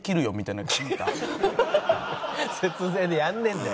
節税でやらねえんだよ。